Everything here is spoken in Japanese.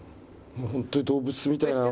もう本当に動物みたいな。